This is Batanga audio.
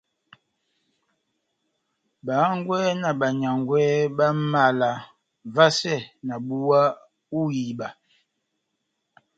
Bá hángwɛ́ na banyángwɛ bá mala vasɛ na búwa hú iba